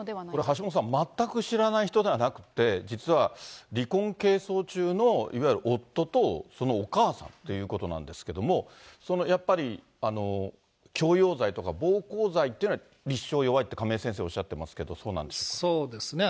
これ、橋下さん、全く知らない人ではなくって、実は離婚係争中のいわゆる夫とそのお母さんということなんですけども、そのやっぱり、強要罪とか暴行罪っていうのは立証弱いって亀井先生、おっしゃっそうですね。